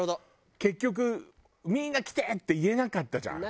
結局「みんな来て」って言えなかったじゃん。